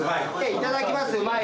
いただきますうまい！